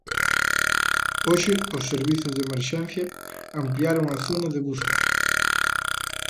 Hoxe os servizos de emerxencia ampliaron a zona de busca.